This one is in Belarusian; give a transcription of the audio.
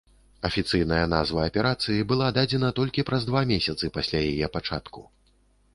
Афіцыйная назва аперацыі была дадзена толькі праз два месяцы пасля яе пачатку.